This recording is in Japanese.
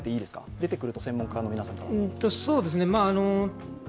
出てくると、専門家の皆さんから。